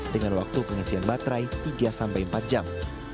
dengan waktu pengisian baterai tiga empat jam